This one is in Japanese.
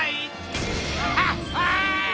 ハッハッ！